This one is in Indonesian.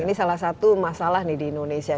ini salah satu masalah nih di indonesia